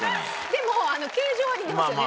でも形状は似てますよね